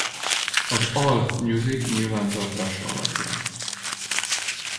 Az AllMusic nyilvántartása alapján.